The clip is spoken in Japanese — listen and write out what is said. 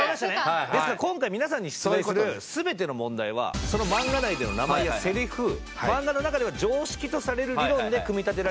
ですから今回皆さんに出題する全ての問題はそのマンガ内での名前やセリフマンガの中では常識とされる理論で組み立てられた問題です。